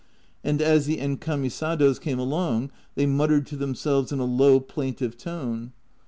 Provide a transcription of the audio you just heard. And as the en camisados came along they muttered to themselves in a low plaintive tone.